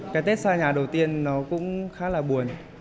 cái tết xa nhà đầu tiên nó cũng khá là buồn